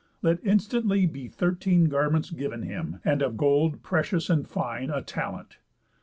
Let instantly Be thirteen garments giv'n him, and of gold Precious, and fine, a talent.